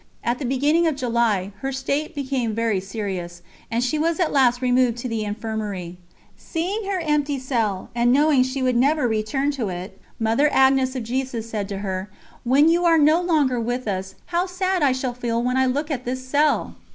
At the beginning of July, her state became very serious, and she was at last removed to the Infirmary. Seeing her empty cell, and knowing she would never return to it, Mother Agnes of Jesus said to her: "When you are no longer with us, how sad I shall feel when I look at this cell!"